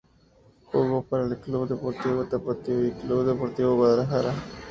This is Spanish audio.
Jugó para el Club Deportivo Tapatío y Club Deportivo Guadalajara.